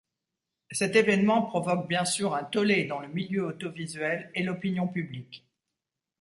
Cet événement provoque bien sûr un tollé dans le milieu audiovisuel et l'opinion publique.